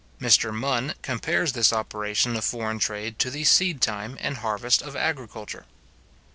Mr Mun compares this operation of foreign trade to the seed time and harvest of agriculture.